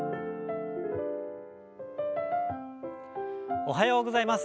おはようございます。